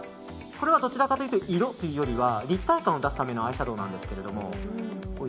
これはどちらかというと色というよりは立体感を出すためのアイシャドーなんですけど。